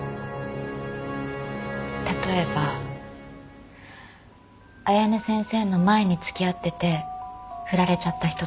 例えば綾音先生の前に付き合ってて振られちゃった人とか。